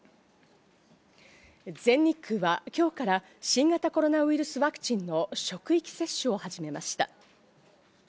全日空は今日から新型コロナウイルスワクチンの職域接種を始めました。